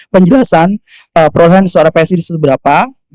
penjelasan perolahan suara psi di situ berapa